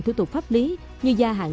thủ tục pháp lý như gia hạn